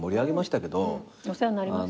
お世話になりました。